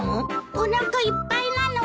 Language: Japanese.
おなかいっぱいなの。